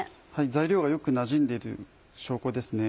材料がよくなじんでいる証拠ですね。